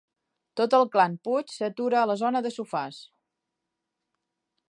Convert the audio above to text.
Tot el clan Puig s'atura a la zona de sofàs.